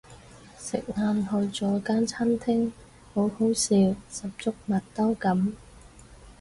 食晏去咗間餐廳好好笑十足麥兜噉